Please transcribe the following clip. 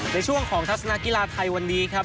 ในช่วงของทัศนากีฬาไทยวันนี้ครับ